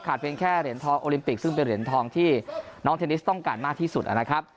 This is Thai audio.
เพียงแค่เหรียญทองโอลิมปิกซึ่งเป็นเหรียญทองที่น้องเทนนิสต้องการมากที่สุดนะครับ